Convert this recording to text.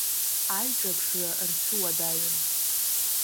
Аиҿаԥшра рцәуадаҩын.